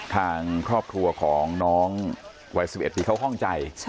ทางครอบครัวของน้องวัย๑๑ที่เขาคล่องใจ